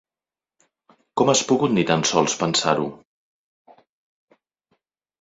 Com has pogut ni tan sols pensar-ho?